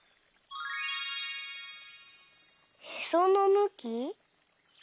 「へそのむき」？